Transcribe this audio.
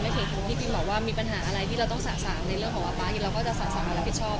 แล้วพี่พี่บอกว่ามีปัญหาอะไรที่เราต้องสะสารในเรื่องของป๊าเราก็จะสะสารและผิดชอบ